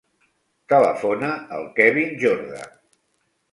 Telefona al Kevin Jorda.